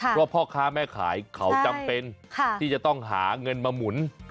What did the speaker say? เพราะพ่อค้าแม่ขายเขาจำเป็นที่จะต้องหาเงินมาหมุน